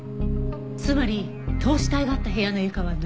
つまり凍死体があった部屋の床は濡れていた。